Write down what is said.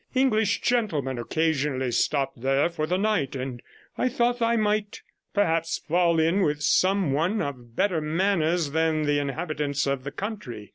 English gentlemen occasionally stopped there for the night, and I thought I might perhaps fall in with some one of better manners than the inhabitants of the country.